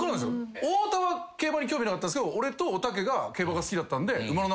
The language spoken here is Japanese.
太田は競馬に興味なかったんすけど俺とおたけが競馬が好きだったんで。